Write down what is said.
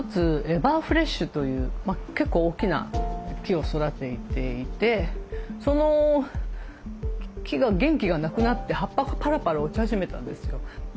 エバーフレッシュという結構大きな木を育てていてその木が元気がなくなって葉っぱがパラパラ落ち始めたんですよ。